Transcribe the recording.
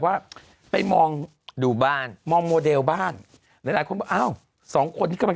ว่าไปมองดูบ้านมองโมเดลบ้านหลายหลายคนบอกอ้าวสองคนที่กำลัง